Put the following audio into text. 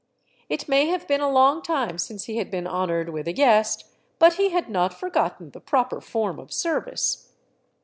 It may have been a long time since he had been honored with a guest, but he had not forgotten the proper form of service.